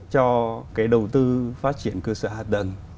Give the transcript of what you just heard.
cho cái đầu tư phát triển cơ sở hạt đần